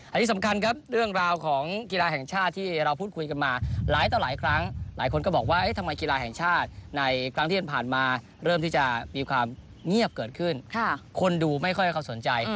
อันนี้สำคัญครับเรื่องราวของกีฬาแห่งชาติที่เราพูดคุยกันมาหลายต่อหลายครั้งหลายคนก็บอกว่าทำไมกีฬาแห่งชาติในครั้งที่ผ่านมาเริ่มที่จะมีความเงียบเกิดขึ้นคนดูไม่ค่อยเขาสนใจ